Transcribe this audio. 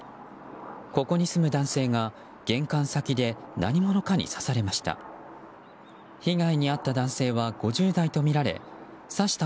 ここに住む男性が玄関先で何者かに刺されました。